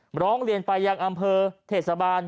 ร้องเรียนไปยังอำเภอเทศบาล